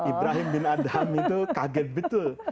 ibrahim bin adam itu kaget betul